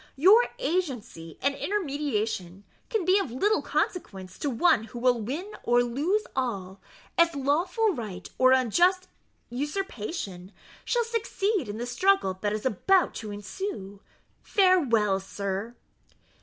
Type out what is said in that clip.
Your agency and intermediation can be of little consequence to one who will win or lose all, as lawful right or unjust usurpation shall succeed in the struggle that is about to ensue. Farewell, sir."